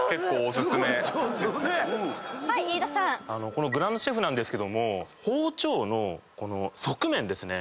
このグランドシェフですけども包丁の。